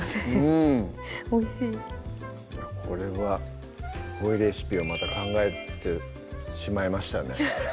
うんおいしいこれはすごいレシピをまた考えてしまいましたね